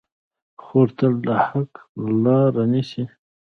خور تل د حق لاره نیسي.